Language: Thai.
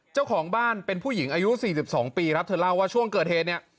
เจ้าของบ้านเป็นผู้หญิงอายุ๔๒ปีครับเธอเล่าว่าช่วงเกิดเหตุเนี่ย